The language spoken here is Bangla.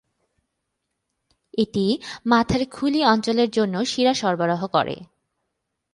এটি মাথার খুলি অঞ্চলের জন্য শিরা সরবরাহ করে।